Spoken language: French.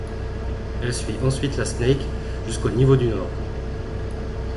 Elle suit ensuite la Snake jusqu'au niveau du nord.